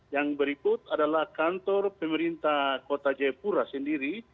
yang berikut adalah kantor pemerintah kota jayapura sendiri